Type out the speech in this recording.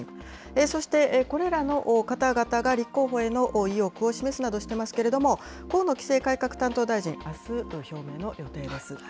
そして、これらの方々が立候補への意欲を示すなどしてますけれども、河野規制改革担当大臣、あす、表明の予定です。